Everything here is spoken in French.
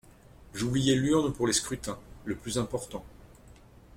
J’oubliais l’urne pour les scrutins… le plus important.